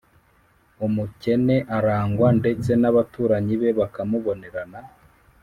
umukene arangwa ndetse n’abaturanyi be bakamubonerana,